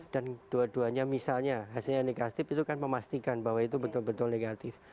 dan dua duanya misalnya hasilnya negatif itu kan memastikan bahwa itu betul betul negatif